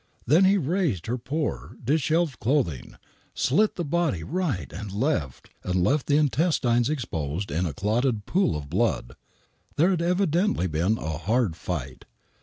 Then he had raised her poor, dishevelled clothing, slit the body right and left, and left the intestines exposed in a clotted pool of blood. There had evidently been a hard fight.